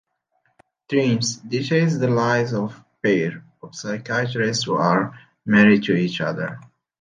"Dreams" details the lives of pair of psychiatrists who are married to each other.